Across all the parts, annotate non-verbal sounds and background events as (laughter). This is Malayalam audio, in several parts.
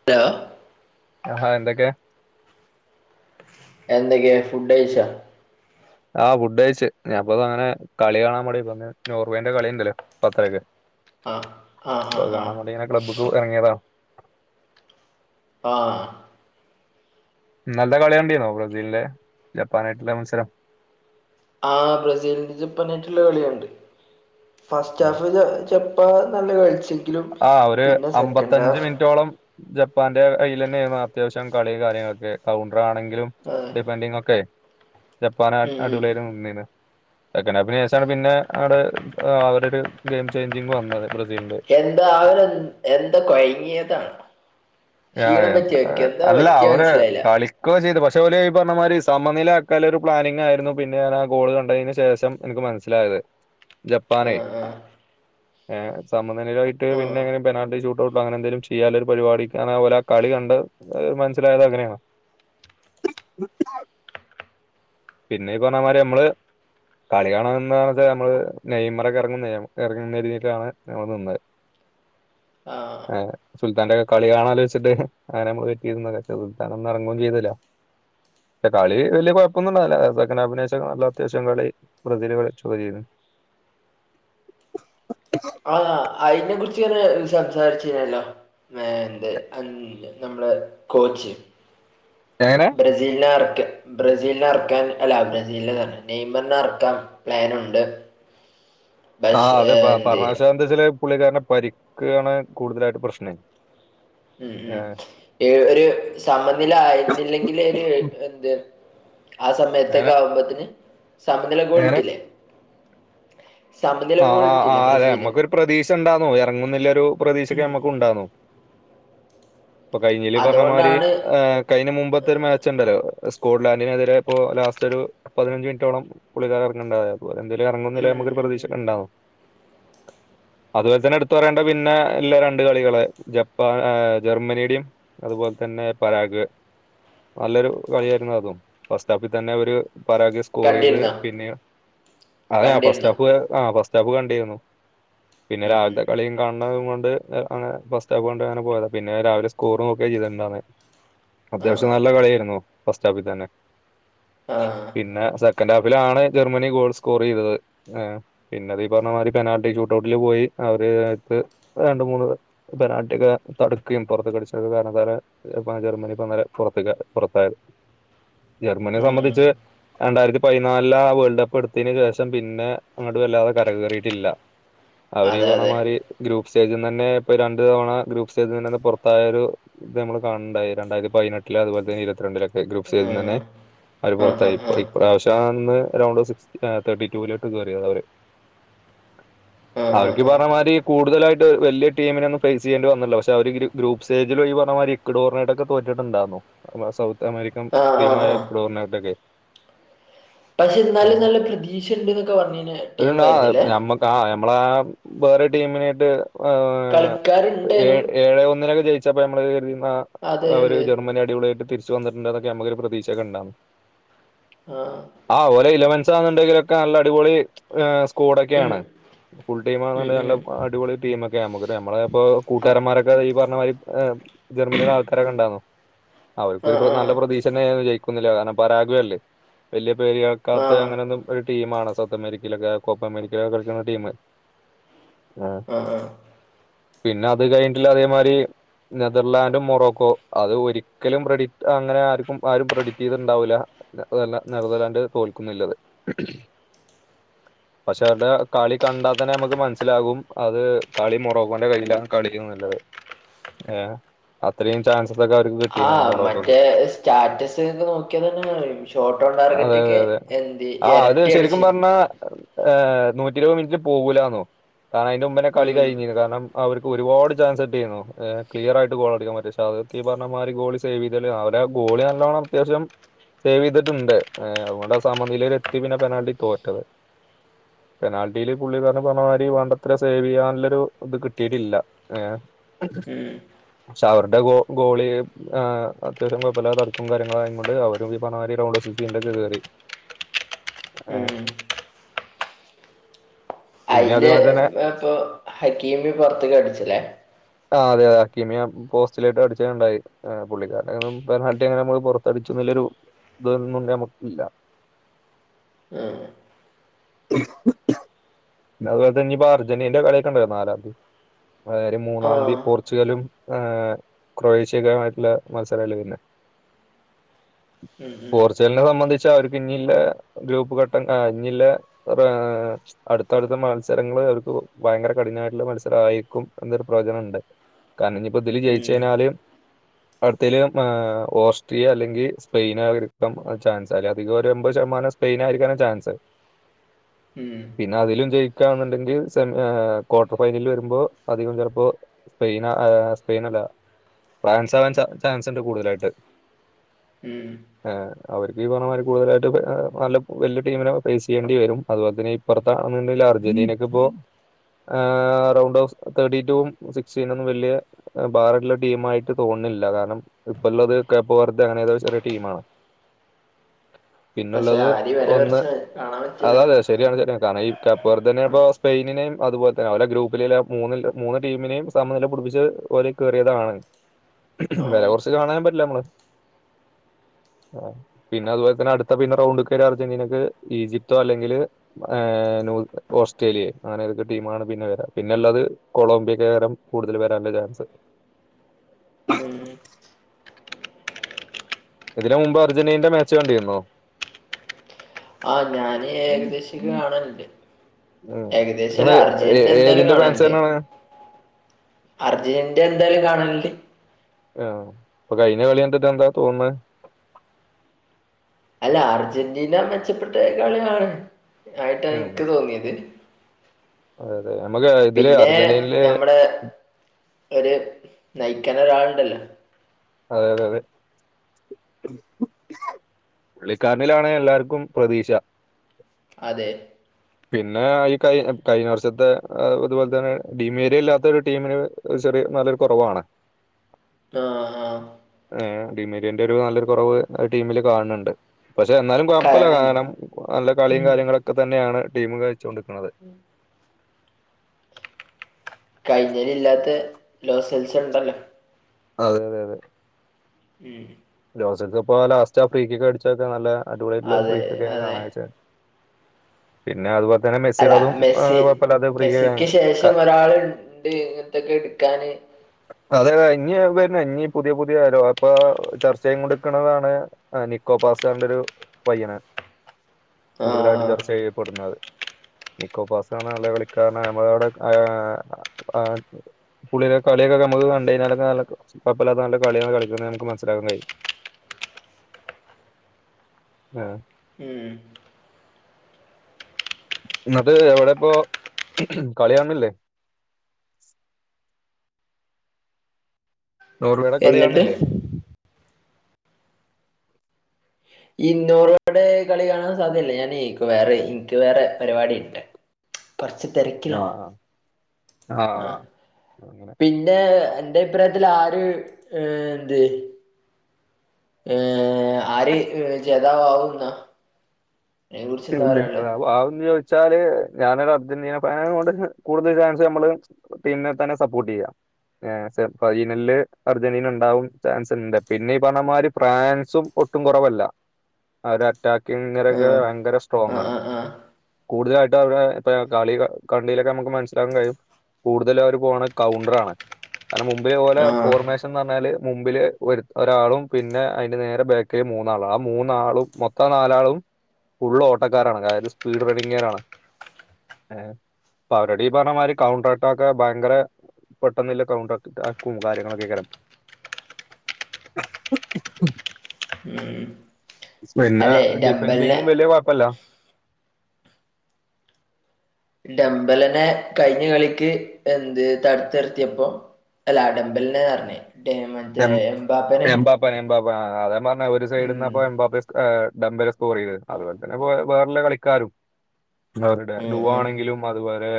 ന്താ - ആഹാ, എന്തൊക്കെ എന്തൊക്കെ ഫുഡ്ഴിച്ചാ ആഹ്, ഫുഡ്ഴിച്ച്, ഞാൻപ്പ തഅങ്ങനെകളി കാണാപാടിന്ന് നോർവേന്റെ കളിണ്ടല്ലോ പത്തരക്ക്. ആ ആ ആ അപ്പൊ ആ കാണാൻവാണ്ടിങ്ങനെ ക്ലബ്ബക്ക് എറങ്ങിയതാ- ആഹാ ന്നൽത്തെ കളിയണ്ടിന്നോ ബ്രസീലന്റെ ജപ്പാനായിട്ടുള മത്സരം ആ, ബ്രസീലിന്റെ ജെപ്പാനായിട്ടുള്ള കളിയണ്ട (unintelligible) അപ്പൊ, നല്ല, കൾച്ച്. ആ, ഒരു അമ്പത്തഞ്ച് മിനിറ്റോളം, ജപ്പാന്റെ തന്നെയായിരുന്നു അത്യാവശ്യം കളി കാര്യങ്ങളൊക്കെ. കൗണ്ടറാണെങ്കിലും ഡിഫണ്ടിങ് ഒക്കെ. ജപ്പാന്അടി, (unintelligible) അടിപൊളിആയി, നിന്നീഞ്ഞ സെക്കൻഡ്, ഹാഫിന് ശേഷാണ്, പിന്നെ അവിടെ, അവര, ഒരു ഗെയിം ചേഞ്ചിങ് വന്നത്, ബ്രസീലിന്റെ (unintelligible) എന്താ, കൊയങ്ങിയതാ ആ, എ, ന്താ, അല്ല, അവര്, മനസ്സിലായില്ല കളിക്കുക, ചെയ്ത്, പക്ഷ ഓല്, ഈ പറഞ്ഞ, തിരി സമനില, അക്കാല, ഒരു പ്ലാനിങ്, ആയിരുന്നു, പിന്നെ ഞാ, ആ, ഗോള്, കണ്ടതിന്, ശേഷം, എനിക്ക് മനസ്സിലായത്. ആ, ആ. ഏ, സമനിലയിട്ട്, പിന്നെങ്ങനെ, പെനാൾട്ടി, ചൂ (unintelligible) അങ്ങനെ എന്തെങ്ക ിലും ചെയ്യാലൊരു പരിപാടി കാരണം ഓലാ കളി കണ്ട മനസിലായത് അങ്ങനേണ്. (inaudible) പിന്നെ ഈ പറഞ്ഞമാരി നമ്മള്. കളി കാണാൻ നിന്നത് നമ്മൾ നെയ് മറൊക്കെ ഇറങ്ങുന്നെരിതീട്ടാണ് നമ്മള് നിന്നത്. (unintelligible) ർ സുൽത്താൻന്റെ ഒക്ക കളി കാണലോചിച്ചിട്ട് അങ്ങനെ നമ്മള് വെറ്റ് ചെയ്ത് പ േക്ഷ സുൽത്താൻ ഒന്നും ഇറങ്ങുംചെയ്തില്ല. കളി വലിയ കുഴപ്പൊന്നും ണ്ടായില്ല (unintelligible) അത്യാവശ്യം കളി ബ്രസീല് കളി ചൊക്കെചെയ്ത്ക്കണ്. ആഹ അയിനെ കുറിച്ച്. (unintelligible) സംസാരിച്ചിനല്ലോ? എന്ത് അന്ന് നമ്മ െള കോച്ച് എങ്ങനെ ബ്രസീലിനെ ബ്രസീലിനെ എറക്കാൻ അല്ല ബ്രസീലെ നെയ്മറിെ എറക്കാൻ പ്ലനുണ്ട് ആ അതെ (unintelligible) ചില പുള്ളിക്കാരനെ പരിക്യാണ് കൂടുതലായിട്ട് പ്രശ്നം. ഉം ഉം ഏഹ് ഏ ഒരു സമനില ആയിരുന്നില്ലെങ്കില് ഒരു എന്ത് ആ അങ്ങനെ സമയത്തൊക്കെ ആവുമ്പത്തിന് സമനില അങ്ങനെ ഗോൾട്ടില്ലേ? ആ ആ ബ്രസീല് ആമ്മക്കൊ ഒരു പ്രതീക്ഷ ഉണ്ടാന്നു ഇറങ്ങുന്നില്ല ഒരു പ്രതീശൊക്കെ മ്മക്ക് ഇണ്ടാന്നു. ഇപ്പൊ കഴിഞ്ഞില് പറഞ്ഞ മാതിരി് അതുകൊണ്ടാണ് കഴിഞ്ഞ മുമ്പത്തെ ഒരു മാച്ച് ഉണ്ടല്ലോ? സ്കോട്ലാന്റിനെതിരെ ഇപ്പോ ലാസ്റ്റ് ഒരു പതിനഞ്ച് മിനിട്ടോളം പുള്ളളിക്കാരൻ (unintelligible) അ ഇതിലും എറങ്ങുന്നൊള്ളൊരു ഉം നമുക്കൊരു ഉം പ്രതീക്ഷ ഉം ഒക്കെ ഉണ്ടാവും. (inaudible) അതുപോലെ തന്നെ എടുത്ത പറയേണ്ട പിന്നെ ഇല്ല രണ്ടണ്ട് കളികൾ ജപ്പാൻ ജർമ്മനിയുടെയും അതുപോലെ ലെ തന്നെ പരാഗ് നല്ലൊരു കളിയായിരുന്നു അതും ഫസ്റ്റ് ഹാഫിൽ തന്നെ ഒരു പരാഗ് സ്കോർ ചെയ്ത് കണ്ടിരുന്നോ പിന്നെ അതെ ഫസ്റ്റ് കണ്ടിരുന്നോ ഹാഫ് ഫസ്റ്റാഫ് കണ്ടിന്നു പിന്നെ ഉം ഉം രാവിലത്തെ കളിയും കാണ (unintelligible) ഫസ്റ്റ് ഹാഫ് കണ്ടങ്ങനെ പോയതാ പിന്നെ രാവിലെ സ്കോറ് നോക്കാ ചെയ്ത്ണ്ടാന്നെ. ആ അത്യാവശ്യം നല്ല കളിയായിരുന്നു ഫസ്റ്റാഫി തന്നെ ആ പിന്നെ സെ സെക്കൻഡ് ഹാഫിലാണ് ജർമ്മനി ഗോൾ സ്കോർ ചെയ്തത്. പിന്നെ അത് ഈ പറഞ്ഞ മാതിരി പെനാൽറ്റി ഷൂട്ടഔട്ടിൽ പോയി അവര്ത്ത് രണ്ട മൂന്ന് പെനാൾറ്റി ഒക്കെ. തടുക്കുകയും പുറത്ത് കടിച്ചൊക്കെ കാരണത്താൽ ജർമ്മനി ഇപ്പന്നലെ പുറത്ത പുറത്തായത്. (inaudible) ജർമ്മനിയെ ഉം സംബന്ധിച്ച് രണ്ടായിരത്തി പതിനാലില ആ വേൾഡ് കപ്പ് എടുത്തിതിന് ശേഷം പിന്നെ അങ്ങ വല്ലാതെ കരകയറീട്ടില്ല അവറ് ഈ അതെ അതെ പറഞ്ഞമാതിരി ഗ്ര്യൂപ്പ് സ് സ്റ്റേജ്ന്നെന്നെ ഇപ്പഈ രണ്ട് തവണ ഗ്രൂപ്പ് സ്റ്റേജിൽ നിന്ന് തന്നെ പുറത്തായൊരു ഇത് നമ്മൾ കാണുണ്ടായി രണ്ടായിര ത്തിപതിനെട്ട്. അതുപോലെ തന്നെ ഇരുപത്തി രണ്ടിലൊക്കെ ഗ്രൂപ്പ്സ് ഉം (unintelligible) അവര് ഉം ആ ആ പുറത്തായി പോയി ഇപ്രാവശ്യം അറൗണ്ട് സിക്സ് തേർട്ടി ടൂ വിലോട്ട് കേറിയത് അവര്. ആ ആ ആ അവർക്ക് ഈ ആ പറഞ്ഞ മാതിരി കൂടുതലായിട്ട് വല ടീമിനൊന്നും ഫേസ് ചെയ്യേണ്ടി വന്നില്ല പക്ഷെ അവര് ഗ്രൂപ്പ് സ്റ്റേജിൽ ഒഴി (unintelligible) ഇക്വഡോറിനെട്ടൊക്കെ തോറ്റിട്ടുണ്ടായിുന്നു സൗത്ത് അമേരിക്കൻ ആഹ് ആഹ് ടീമായ ആഹ് എക്വഡോറിനായിട്ടൊക്കെ. പക്ഷെ എന്നാലും നല്ല പ്രതീക്ഷ ഇണ്ട് ന്നൊക്കെ പറഞ്ഞീ ആ ഞമ്മക്കാ ഞമ്മളാ വേറെ ടീമിനായിട്ട് കളിക്കാരുണ്ടേനും ഏഴ് എഴെ ഒന്നിനൊക്കെ ജയിച്ചപ്പ നമ്മള് കരുതിന്ന. അതെ അവര് അതെ ജർമ്മനി അടിപൊളിയായിട്ട് തിരിച്ച വന്നിട്ടുണ്ടൊക്കെ നമുക്കൊരു പ്രതീക്ഷ. (unintelligible) ആഹ് ആ ഓലെ ഇലവൻസ്ന്നണ്ടെങ്കിലൊക്കെ നല്ല അടിപൊളി. ഉം കോടൊക്കെയാണ്. ഫുൾ ടീം (unintelligible) ഉം ഉം നല്ലടിപൊളി ടീ മൊക്കെ നമുക്ക് നമ്മളെ ഇപ്പോ കൂട്ടാരന്മാരൊക്കെ പറഞ്ഞ മാതിരി ജർമ്മനിയുടെ ആൾക്കാരൊക്കെ ഇണ്ടാന്നു അവർക്കൊരു ആഹ് നല്ല ആഹ് പ്രതീക്ഷ ണ്ടായിരുന്നു ജയി ജയിക്കും ന്നില്ലത് കാരണം പരാഗവല്ലേ വലിയ പേര്യാക്കാത്ത ആഹ് അങ്ങനെൊന്നും ഒരു ടീം ആണ് സൗത്ത് അമേരിക്ക. (unintelligible) കോപ്പ അമേരിക്കെ കളിക്കുന്ന ടീമ്. ആഹ ആഹ പിന്നെ അത് കഴിഞ്ഞിട്ടിലെ അതേമാരി നെതർലാൻഡും മൊറോക്കോ അത് ഒരിക്കലും പ്രസിക്റ്റ് അങ്ങനെ ആർക്കും ആരും പ്രെഡിക്റ്റ് ചെയ്തിണ്ടാവൂല. (unintelligible) നെതർലാൻഡ് തോൽക്കുന്നില്ലത്. പക്ഷെ അവരുടെ കളി കണ്ടാൽ തന്നെ നമുക്ക് മനസ്സിലാകും അത് കളി മുറോക്കന്റെ കയ്യിലാണ് കളിക്കുന്നുള്ളത്. ഏ അത്രയും ചാ.. ആഹ് മറ്റേ സ്റ്റാറ്റസ് ഒക്കെ നോക്കിയ തന്നെ ഷോർട്ടോ അത് ടാർഗറ്റ് ഒക്കെ.. എന്ത് ആ അത് ഇരട്ടി ശരിക്കും അടിച്ചിന് പറഞ്ഞാ. ഹ് നൂറ്റി ഇരുപത് മിനിറ്റ്ൽ പോകൂലന്നോ കാരണം അതിന്റെ മുമ്പനെ കളി ഉം കഴിഞ്ഞിരുന്നു കാരണം അവര്. ഒരുപാട് ചാൻസ് കിട്ടിയിരുന്നു ക്ലിയർ ആയിട്ട് ഗോളടിക്കാൻ പറ്റിയ പക്ഷെ അതൊക്കെ ഈ പറഞ്ഞ മാതിരി ഗോൾ സേവ്തി അവ. ഗോളി നല്ലോണം അത്യാവശ്യം. സേവ് ചെയ്തിട്ടുണ്ട് അതുകൊണ്ട് ആ സമനിലയിൽ എത്തി പിന്നെ പെനാൾഡിക്ക് തോറ്റത്. ഉ പെനാൽറ്റിയിൽ പുള്ളിപറഞ്ഞപറഞ്ഞ മാതിരി വണ്ടത്ര സേവ് ചെയ്യാനുള്ളൊരു ഇത് കിട്ടിയിട്ടില്ല ഏ ഉം പക്ഷെ അവരുടെ ഗോളി അത്യാവശ്യം കൊഴപല്ല തടുക്കും കാര്യങ്ങളും ആയ കൊണ്ട് അവരും ഈ പറഞ്ഞമാതിരി. ഡോളസി ദി ന്റെ ത് കേറി. ഉം ഉം ഇനി അയ്ല് അതുപോലെ തന്നെ ഇപ്പൊ ഹക്കീമി പുറത്ത് ക്ക അടിച്ചില്ലേ. ആ അതെ അതെ ഹക്കിമി പോസ്റ്റിലായിട്ട് അടിച്ചുണ്ടായി പുള്ളിക്കാരടൊട്ടങ്ങനെ നമ്മ പുറത്തടി.. നല്ലരു ഇതന്നും നമുക്ക് ഇല്ല. (inaudible) പിന്ന അതുപോലെ തന്നെ ഇപ്പൊ അർജന്റീന്റെ കളിയൊക്കെണ്ടായിരുന്നു നാലാം തീ (unintelligible) മൂന്നാതി. ആഹ് പോർച്ചുഗലും ആ് ക്രൊയേഷ്യ ആയിട്ടുള്ള മത്സര പിന്നെ. ഉം പോർച്ചുഗലിനെ സംബന്ധിച്ച.. അവർക്ക് ഇില്ല ഗ്രൂപ്പ് ഘട്ടം ഇില്ല അടുത്തടുത്ത മത്സരങ്ങള.. അവർക്ക് ഭയങ്കര കഠിനമായിട്ടുള്ള മനസരായിരിക്കും എന്നൊരു പ്രയോജനം ഉണ്ട്. കാരണം ഇനിപ്പോ ഇതില് ജയിച്ച് കഴിഞ്ഞാല്. ആ അടുത്തതിൽ ഓസ്ട്രിയ അല്ലെങ്കിൽ സ്പെയിൻ ആരിക്ക ചാൻസ് അധികം ഒരു എമ്പത് ശതമാനം. സ്പെയിനായിയിരിക്കാനാണ് ചാൻസ്. ഉം ഉം പിന്നെ അതിലും ജയ് കാണെന്നുണ്ടെങ്കിൽ സെമ ക്വാർട്ടർ ഫൈനലി വരുമ്പോ അധികം ചിലപ്പോ. സ്പെയിൻ സ്പെയിൻ അല്ല ഫ്രാൻസ് ആവാൻ ചാൻസ്ണ്ട് കൂടുതലായിട്ട്.. ഉം അവർക്ക് ഈ പറഞ്ഞമാതിരി കൂടുതലായിട്ടും നല്ല വലിയ ടീമിനെ ഫേസ് ചെയ്യേണ്ടി വരും അതുപോലെ തന്നെ ഇപ്പറത്ത് (unintelligible) അർജന്റീനക്ക് ഇപ്പോ റൗണ്ട് ഓഫ് തേർടിട്ടു. സിക്സീനൊന്നും വലിയ ഭാരള്ള ടീമായിട്ട് തോന്നുന്നില്ല കാരണം ഇപ്പള്ള അത് കേപ്പ് വറതെ ആണ്.. ഏതലും ചെറിയ ടീ ആമാണ്. ഉ പിന്നള്ളത് ഒന്ന് കാണാൻ പറ്റില്ല അതതെ ശരിയാണ് ശരി. കാരണം ഈ കേപ്പവർതനെ ഇപ്പോ സ്പെയിനെയും അതുപോലെന്നെ ഓല ഗ്രൂപ്പില മൂ മൂന്ന.. ടീമിനെയും സമനില പിടിപ്പിച്ച ഓലെ കയറിയതാണ്. വില ആഹ് കുറച്ച് കാണാൻ പറ്റില്ല നമ്മള്. (inaudible) പിന്നെ അതുപോലെ തന്നെ അടുത്ത പിന്നെ റൗണ്ട് (unintelligible) അർജന്റീനക്ക് ഈജിപ്തോ അല്ലെങ്കിൽ ഏ (unintelligible) ഓസ്ട്രേലിയ അങ്ങനെതക്കെ ടീമാണ് പിന്നെ വരാ പിന്നെള്ളത് (unintelligible) (unintelligible) കൂടുതൽ വരാന ചാൻസ്. ഉം ഇതിന് മുമ്പ് അർജന്റീനന്റെ മാച്ച് കണ്ടിന്നോ? ആഹ ഞാന് ഏകദേശ കാണലണ്ട്. ഉം. ഏകദേശല്ല ഇങ്ങള് ഏ അർജെന്റെ ന്തായാലും ഏതിന്റെ കാണാല്ണ്ട് ഫാൻസാണ്? അർജെന്റെ ന്തായാലും കാണാല്ണ്ട്. ആഹ് അപ്പൊ കഴിഞ്ഞകളിക്കണ്ടിതെന്താ തോന്നേ. അല്ല അർജന്റീന മെച്ചപ്പെട്ട കളിയാ ഉം. ആയിട്ടെനിക്ക് തോന്നിയത്. അതെ, അതെ. നമുക്ക് ഇതില് പിന്നെ അർജന്റീനയില് നമ്മെടെ ഒരു നയിക്കാൻ ഒരാളുണ്ടല്ലോ. അതെ അതെ അതെ പുള്ളിക്കാരനിലാണ് എല്ലാർക്കും പ്രതീക്ഷ. അതെ പിന്നെ ഈ കഴി കഴിഞ്ഞ വർഷത്തെ അതുപോലെ തന്നെ ഡീമേരിയില്ലാത്ത ഒരു ടീമിന് ചെറിയ (inaudible) (unintelligible) കൊറവാണ്. ആഹ് ആഹ് ടീമേരിയന്റെ ഒരു നല്ലൊരു കൊറവ് ആ ടീമില് കാണണൊണ്ട്. പക്ഷെ എന്നാലും ക കൊയപ്പല്ല കാരണം നല്ല കളിയും ഉം കാര്യങ്ങളൊക്കെ തന്നെയാണ് (unintelligible) ചൊണ്ടിക്കണത് കഴിഞ്ഞേൽ ഇല്ലാത്ത ലോ സെൽസൊണ്ടല്ലോ. അതെ അതെ അതെ ഉം ലൊസൽസ് ഇപ്പോ ലാസ്റ്റ് ആ ഫ്രീകിക്ക്ക്കടിച്ചൊക്കെ നല്ല അടിപൊളിയായിട്ടൊള്ള ഒരു അതെ അതെ ഫ്രീക് (inaudible) പിന്നെ (unintelligible) (unintelligible) അല്ല മെസ്സിടേതും മെസ്സി അതും കൊപ്പല്ലാതെ ഫ്രീകിക മെസ്സിക്ക് ശേഷം ഒരാളുണ്ട് ഇങ്ങനത്തൊക്കെ എടുക്കാന് അതെ അതെ ഇനി വെരുന്ന ഇനി പുതിയ പുതിയ വെരവ്. അപ്പോ (inaudible) (unintelligible) നിക്കോപാസാന്റെരു പയ്യന്. കൂടുതലായിട്ടും ആഹ് ചർച്ച ചെയ്യപ്പെടുന്നത്. (inaudible) നിക്കോപാസയാന്നാളെ വിളിക്കാറ്. നമ്മെടവിടെ ആ ആ (unintelligible) (unintelligible) കൊഴപ്പല്ലാത്ത നല്ല കളിയൊക്കെ കളിക്കുന്നത് നമ്മക്ക് (unintelligible) ആഹ്. (inaudible) ഉം ന്നിട്ട് എവെടെപ്പോ കളി കാണുന്നില്ലേ. നോർവെയുടെ എന്നിട്ട് കളിക്കാണണില്ലേ? (unintelligible) കളി കാണാൻ സാധ്യല്ല. ഞാനേ ഇക്ക് വേറെ ഇക്ക് വേറെ പരിപാടിണ്ട്. (inaudible) കൊറച്ച് തിരക്കിലാണ്, ആഹ്. ആഹ് അങ്ങനെ. പിന്നെ. എന്റെ അഭിപ്രായത്തിയാര് ഏ എന്ത്? ഏ ആര് (unintelligible) എന്താ (unintelligible) പറയാനുള്ളേ ആന്ന് ചോദിച്ചാല് ഞാനൊരു (unintelligible) അർജന്റീന ഫാനായക്കൊണ്ട് കൂടുതൽ ചാൻസ് നമ്മെള് ടീമിനെ തന്നെ സപ്പോട്ട് ചെയ്യാ. എ ഫൈനലില് അർജന്റീനാ ണ്ടാവും ചാൻസൊണ്ട്. പിന്നെ ഈ പറഞ്ഞമാരി ഫ്രാൻസും ഒട്ടും കൊറവല്ല. അവരെ (unintelligible) ആഹ് ഭയങ്കര ആഹ് സ്ട്രോങ്ങാണ്. ആഹ് ആഹ് കൂടുതലായിട്ട് (unintelligible) കളി കണ്ടിലെക്കെ നമ്മെക്ക് മനസ്സിലാക്കാ കഴിയും. കൂടുതലവെര് പോണേ കൗണ്ടറാണ്. കാരണം മുമ്പിൽ പോലെ ആഹ് ഫോർമേഷൻന്ന്റഞ്ഞാൽ മുമ്പില് ഒര് ഒരാളും. പിന്നെ അതിന്റെ നേരെ ബെകില് മൂന്നാള്. ആ മൂന്നാളും മൊത്തം നാലാളും ഫുള്ള് ഓട്ടക്കാരാണ് കാര്യം സ്പീഡ് റൈഡിങ്ങുകാരാണ് ഏ അപ്പ അവരുടെ ഈ പറഞ്ഞമാതിരി കൗണ്ടർ അറ്റാക്ക് ഭയങ്കരേ പെട്ടെന്നുള്ള കൗണ്ടർ അറ്റാക്കും കാര്യങ്ങളൊക്കെ (unintelligible) ഉം സ്പിന്നെ അല്ലെ ഡമ്പലിനെ ഡിഫെൻഡിങ്ങും വെല്യ കൊഴപ്പല്ല. ഡമ്പലനെ കഴിഞ്ഞ കളിക്ക് എന്ത് തടത്തിർത്തിയപ്പൊ അല്ലാ ഡംമ്പലിനെന്നറഞ്ഞേ ഡെ മറ്റേ എംബാപ്പനെ (unintelligible) അതാ പറഞ്ഞ ഒരു ഉം സൈഡിന്ന്പ്പ എംബാപ്പെസ് ഏഹ് ഡമ്പല സ്കോറെയ്തത് അതുപോലെ തന്നെ വേ വേറെല്ലെ കളിക്കാരും. അവരുടെ ഉം ഡൂ ഉം ആണെങ്കിലും അതുപോലെ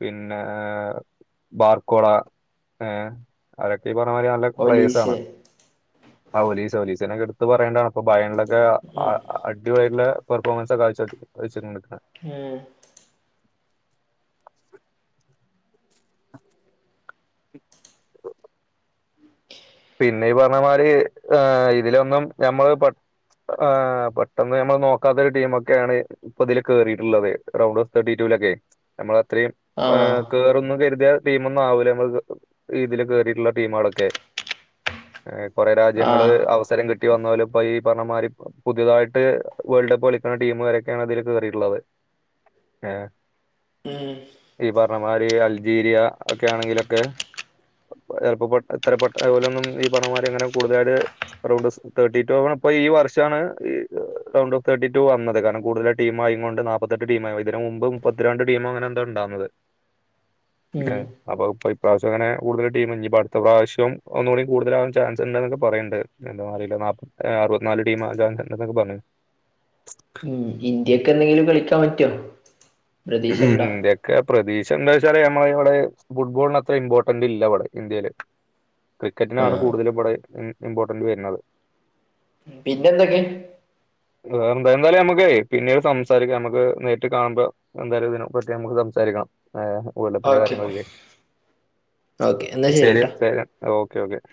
പിന്നെ ഏഹ് ബാർക്കോള ഏഹ് അവരൊക്കെ ഈ പർ ഞ മാരി നല്ല ഒലീസ് പ്ലേയേസാണ് ഔലീസ് ഔലീസിനൊക്കെ എടുത്ത് പറയണ്ടാണ് ഇപ്പോ ഭയ ങ്കര അ ഉം അടിപൊളിയായ്ട്ട്ള്ള പെർഫോമെൻസാ കാഴ്ച്ചവെക്കുന്നെ വെച്ചിട്ട്ണ്ട്. ഏഹ് നീ പറഞ്ഞമാരി ഏഹ് ഇതിലൊന്നും ഞമ്മള് പ ആഹ് പെട്ടന്ന് ഞമ്മള് നോക്കാത്ത ടീമൊക്കെയാണ് ഇപ്പൊതില് കേറീട്ട്ള്ളത് റൗണ്ട് ഓഫ് തേർട്ടീറ്റൂ ലൊക്കെ നമ്മളത്രയും ആഹ് ഏഹ് കേറുന്ന് കെര്ത്യ ടീമൊന്നും ആവൂല നമ്മക്ക് ഇതില് കേറീട്ട്ള്ള ടീമാളൊക്കെ ഏഹ് കൊറെ രാജ്യങ്ങള് ആഹ് അവസരം കിട്ടി വന്നോലും പ്പൊ ഈ പറഞ്ഞ മാരി പുതിയതായിട്ട് വേൾഡ് കപ്പ് കളിക്കണ ടീമ് വരൊക്ക്യാണ് ഇതില് കേറീട്ട്ള്ളത്. ഏഹ് ഉം ഈ പറഞ്ഞമാരി അൽജീരിയ ഒക്കെ ആണെങ്കിലൊക്കെ ചെലപ്പം പെ എത്ര പെട്ട് അത് പോലൊന്നും ഈ പറഞ്ഞ മാരി അങ്ങനെ കൂടുതലായിട്ട് റൗണ്ട് തേർട്ടീ ടൂ ആക്ക്ണെപ്പൊ ഈ വർഷാണ് റൗണ്ട് ഓഫ് തേർട്ടി ടൂ വന്നത്, കാരണം കൂട്തല് ടീമായീങ്ങൊണ്ട് നാപ്പത്തെട്ട് ട്ടീമായി ഇതിന് മുമ്പ് മുപ്പത്തി രണ്ട് ടീമ് അങ്ങനെന്തോ ണ്ടാവ്ന്നത്. ഉം ഏഹ് അപ്പൊ ഇപ്പൊ ഇപ്രാശ്യം അങ്ങനെ കൂടുതൽ ടീമ് നിപ്പടുത്ത പ്രാവശ്യോ ഒന്നൂടി കൂട്തലാവാൻ ചാൻസ്ണ്ട്ന്നൊക്കെ പറയ്ണ്ട്, എന്താന്നറീല നാപ്പ അറപത്തിനാല് ടീമാവാൻ ചാൻസ്ണ്ട്ന്നൊക്കെ പറഞ് ഉം ഇന്ത്യക്കെന്തെങ്കിലും കളിക്കാൻ പറ്റ്വോ? ന്ത്യക്കെ പ്രതീ ക്ഷെ എന്താ വെച്ചാല് ഞമ്മളവിടെ ഫുട്ബോളിന് അത്ര ഇമ്പോർട്ടന്റ് ഇല്ല ഇവ്ടെ ഇന്ത്യേല് ക്രിക്കറ്റിനാണ് ആഹ് കൂടുതലും ഇവിടെ ഇമ് ഇമ്പോർട്ടന്റ് വെര്ണത്. പിന്നെന്തൊക്കെ? വേറെ എന്തായാലുംന്തായാലു അമ്മക്കെ പിന്നീട് സംസാരിക്കാ നമ്മക്ക് നേരിട്ട് കാണുമ്പോ ന്തായാലും ഇതിനെപ്പറ്റി അമ്മക്ക് സംസാരിക്കണം. ആഹ് വേൾഡപ്പിന്റെ ഓക്കെ കാര്യങ്ങളൊക്കെ, ഓക്കെ എന്നാ ശരി ശരിട്ടാ ശരി ഓക്കെ ഓക്കെ.